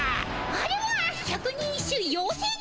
あれは百人一首ようせいギプス。